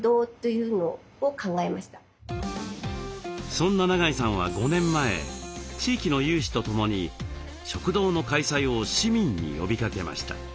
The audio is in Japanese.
そんな永井さんは５年前地域の有志とともに食堂の開催を市民に呼びかけました。